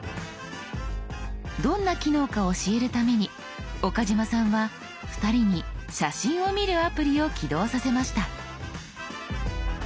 どんな機能か教えるために岡嶋さんは２人に写真を見るアプリを起動させました。